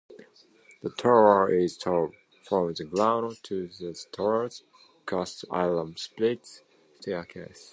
The tower is tall, from the ground to the tower's cast iron spiral staircase.